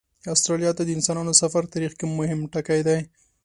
استرالیا ته د انسانانو سفر تاریخ کې مهم ټکی دی.